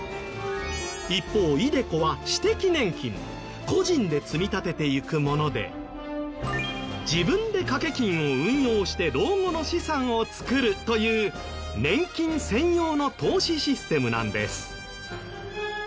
一方ｉＤｅＣｏは私的年金個人で積み立てていくもので自分で掛金を運用して老後の資産を作るという年金専用の投資システムなんです。